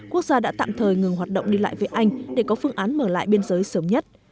quốc gia đã tạm thời ngừng hoạt động đi lại với anh để có phương án mở lại biên giới sớm nhất